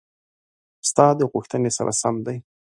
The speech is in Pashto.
ستا د غوښتنې سره سم دي: